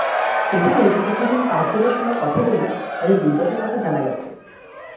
সেখানে চিকিৎসাধীন পাঁচজনের সঙ্গে কথা বলে তাঁদের দুর্দশার কথা জানা গেছে।